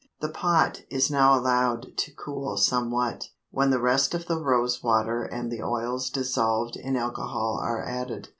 The pot is now allowed to cool somewhat, when the rest of the rose water and the oils dissolved in alcohol are added.